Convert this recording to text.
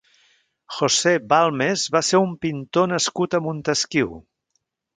José Balmes va ser un pintor nascut a Montesquiu.